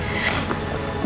duit ada kamu